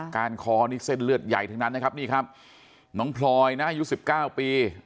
การคอนี่เส้นเลือดใหญ่ทั้งนั้นนะครับนี่ครับน้องพลอยนะอายุ๑๙ปี